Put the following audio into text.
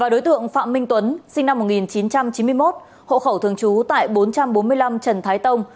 đối tượng phạm minh tuấn sinh năm một nghìn chín trăm chín mươi một hộ khẩu thường trú tại bốn trăm bốn mươi năm trần thái tông